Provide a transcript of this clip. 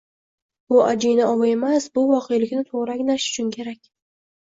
Bu «ajina ovi» emas, bu voqelikni to‘g‘ri anglash uchun kerak.